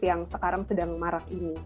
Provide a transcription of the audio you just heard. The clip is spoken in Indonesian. yang sekarang sedang marak ini